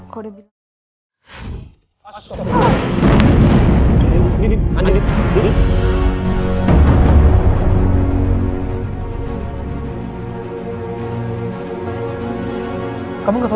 kamu gak apa apa